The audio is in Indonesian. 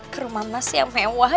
ke rumah mas yang mewah